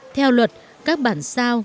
theo luật các bản sao